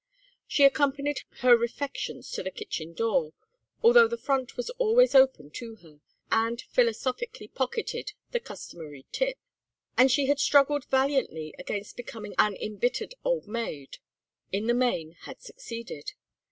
She accompanied her refections to the kitchen door, although the front was always open to her, and philosophically pocketed the customary tip. And she had struggled valiantly against becoming an embittered old maid; in the main, had succeeded.